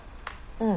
うん。